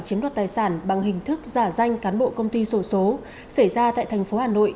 chiếm đoạt tài sản bằng hình thức giả danh cán bộ công ty sổ số xảy ra tại thành phố hà nội